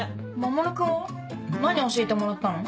守君は何教えてもらったの？